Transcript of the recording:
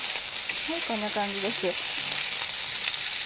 こんな感じです。